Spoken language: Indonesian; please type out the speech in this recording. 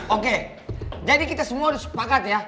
oke jadi kita semua harus sepakat ya